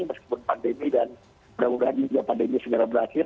meskipun pandemi dan mudah mudahan juga pandemi segera berakhir